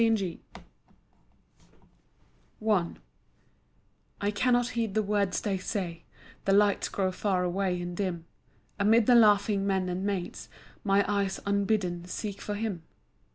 Young Love I I cannot heed the words they say, The lights grow far away and dim, Amid the laughing men and maids My eyes unbidden seek for him.